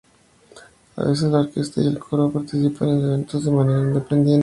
A veces, la orquesta y el coro participan en eventos de manera independiente.